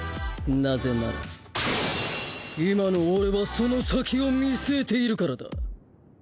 なぜなら今の俺はその先を見すえているからだ